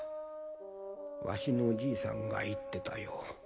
わしのじいさんが言ってたよ。